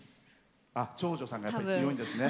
長女さんが一番強いんですね。